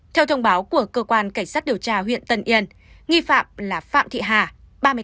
theo thông báo của cơ quan cảnh sát điều tra huyện tân yên nghi phạm là phạm thị hà